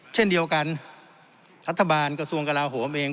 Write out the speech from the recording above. เช่นเดียวกันรัฐบาลกระทรวงกลาโหมเอง